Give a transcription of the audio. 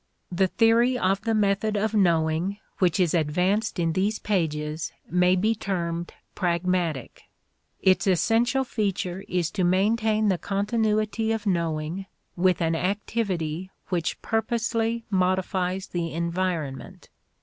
The theory of the method of knowing which is advanced in these pages may be termed pragmatic. Its essential feature is to maintain the continuity of knowing with an activity which purposely modifies the environment.